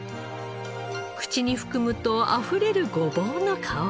口に含むとあふれるごぼうの香り。